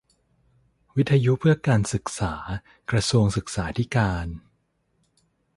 วิทยุเพื่อการศึกษา กระทรวงศึกษาธิการ